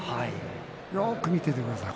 よく見ていてください。